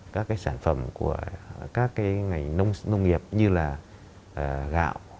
các sản phẩm của các ngành nông nghiệp như là gạo